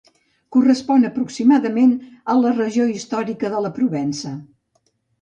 Correspon aproximadament amb la regió històrica de la Provença.